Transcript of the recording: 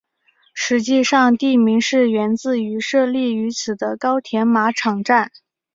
实际上地名是源自于设立于此的高田马场站。